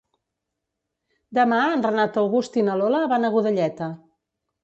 Demà en Renat August i na Lola van a Godelleta.